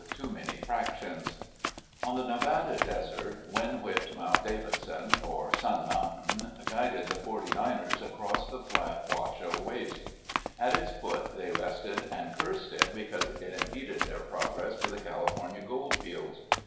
Too Many Fractions On the Nevada desert wind whipped Mount Davidson (or Sun Mountain) guided the Forty Niners across the flat Washoe waste. At its foot they rested and cursed it because it impeded their progress to the California goldfields.